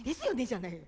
じゃないよ。